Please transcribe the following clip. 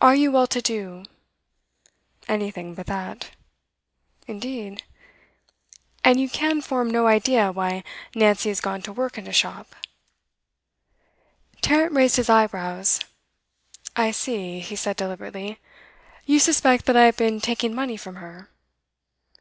Are you well to do?' 'Anything but that.' 'Indeed? And you can form no idea why Nancy has gone to work in a shop?' Tarrant raised his eyebrows. 'I see,' he said deliberately. 'You suspect that I have been taking money from her?